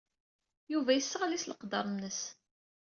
Yuba yesseɣli s leqder-nnes.